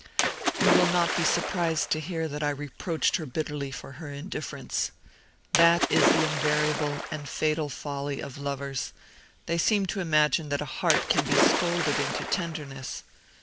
"You will not be surprised to hear that I reproached her bitterly for her indifference. That is the invariable and fatal folly of lovers they seem to imagine that a heart can be scolded into tenderness!